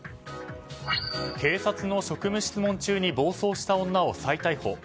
警察の職務質問中に暴走した女を再逮捕。